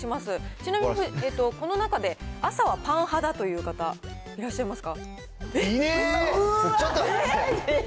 ちなみにこの中で朝はパン派だという方、いらっしゃいますか？